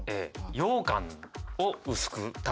ようかんを薄く。